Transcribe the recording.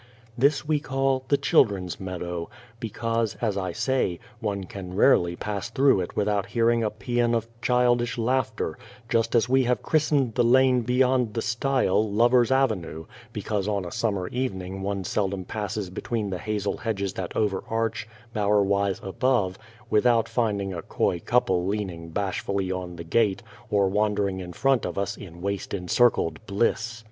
This we call "The Children's Meadow," because, as I say, one can rarely pass through it without hearing a psean of childish laughter just as we have christened the lane beyond the stile " Lovers' Avenue," because on a summer's evening one seldom passes between the hazel hedges that over arch, bower wise above, without finding a coy couple leaning bashfully on the gate, or wander ing in front of us in waist encircled bliss.